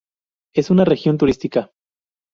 Es una región turística.